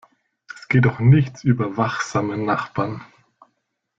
Es geht doch nichts über wachsame Nachbarn!